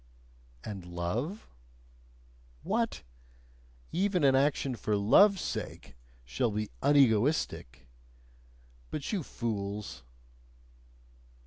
"And love?" What! Even an action for love's sake shall be "unegoistic"? But you fools